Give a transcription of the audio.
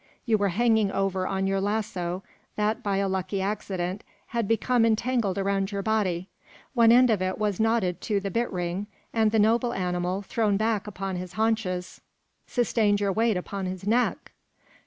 You were hanging over on your lasso, that by a lucky accident had become entangled around your body. One end of it was knotted to the bit ring, and the noble animal, thrown back upon his haunches, sustained your weight upon his neck!"